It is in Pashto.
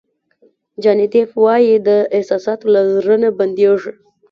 جاني دیپ وایي احساسات له زړه نه بندېږي.